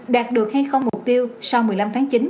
đạt được hay không mục tiêu sau một mươi năm tháng chín